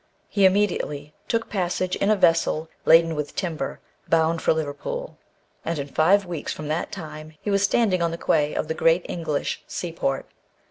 He immediately took passage in a vessel laden with timber, bound for Liverpool, and in five weeks from that time he was standing on the quay of the great English seaport.